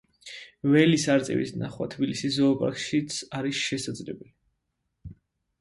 ველის არწივის ნახვა თბილისის ზოოპარკშიც არის შესაძლებელი.